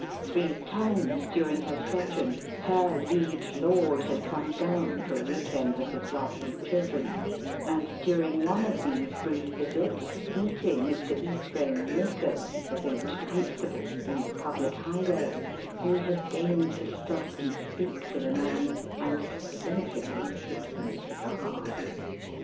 Three times during her sojourn her liege lord had come down for a week end with his wife and children, and during one of these brief visits, meeting Mr. Ephraim Nippers, the village constable in the public highway, he had deigned to stop and speak to the man and to present him with a sixpenny cigar.